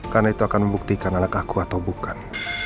karena itu akan membuktikan anak aku atau bukan